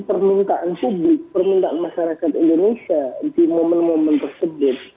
permintaan publik permintaan masyarakat indonesia di momen momen tersebut